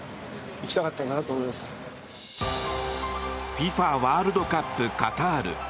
ＦＩＦＡワールドカップカタール。